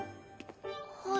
はい。